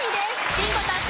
ビンゴ達成。